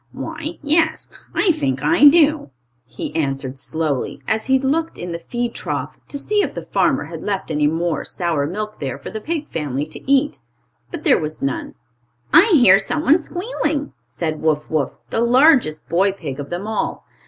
"Why, yes, I think I do," he answered slowly, as he looked in the feed trough, to see if the farmer had left any more sour milk there for the pig family to eat. But there was none. "I hear someone squealing," said Wuff Wuff, the largest boy pig of them all.